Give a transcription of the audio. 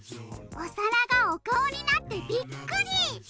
おさらがおかおになってびっくり！